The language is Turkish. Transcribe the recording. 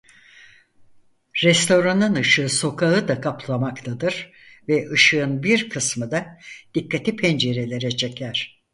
Restoranın ışığı sokağı da kaplamaktadır ve ışığın bir kısmı da dikkati pencerelere çeker.